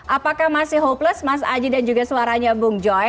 apakah masih hopeless mas aji dan juga suaranya bung joy